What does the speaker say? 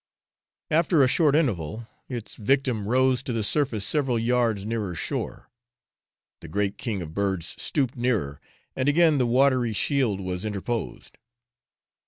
After a short interval, its victim rose to the surface several yards nearer shore. The great king of birds stooped nearer, and again the watery shield was interposed.